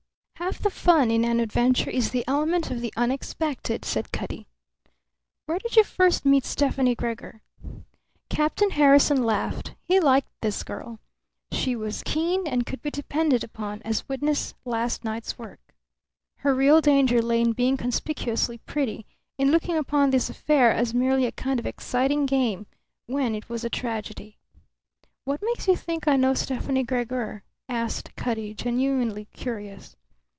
Half the fun in an adventure is the element of the unexpected," said Cutty. "Where did you first meet Stefani Gregor?" Captain Harrison laughed. He liked this girl. She was keen and could be depended upon, as witness last night's work. Her real danger lay in being conspicuously pretty, in looking upon this affair as merely a kind of exciting game, when it was tragedy. "What makes you think I know Stefani Gregor?" asked Cutty, genuinely curious.